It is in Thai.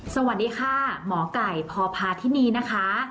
สวัสดีค่ะหมอไก่พพาธินีนะคะ